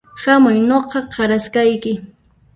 Hamuy nuqa qarasqayki